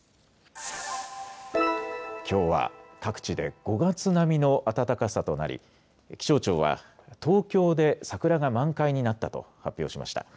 きょうは各地で５月並みの暖かさとなり、気象庁は、東京で桜が満開になったと発表しました。